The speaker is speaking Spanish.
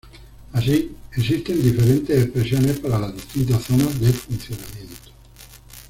Así, existen diferentes expresiones para las distintas zonas de funcionamiento.